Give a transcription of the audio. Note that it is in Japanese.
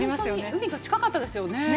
海が近かったですよね。